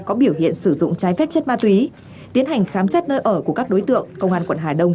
có biểu hiện sử dụng trái phép chất ma túy tiến hành khám xét nơi ở của các đối tượng công an quận hà đông